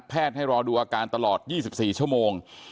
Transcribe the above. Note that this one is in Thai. ให้รอดูอาการตลอด๒๔ชั่วโมง